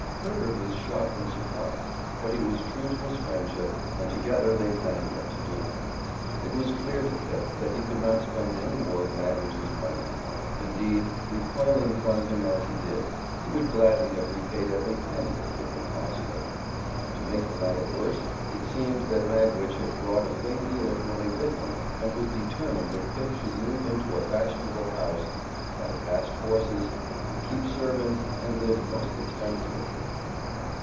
Herbert was shocked and surprised, but he was true to his friendship and together they planned what to do. It was clear to Pip that he could not spend any more of Magwitch's money; indeed, recoiling from him as he did, he would gladly have repaid every penny if it had been possible. To make the matter worse, it seemed that Magwitch had brought a great deal of money with him and was determined that Pip should move into a fashionable house, buy fast horses, keep servants and live most expensively.